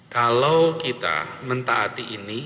kalau kita mentaati interaksi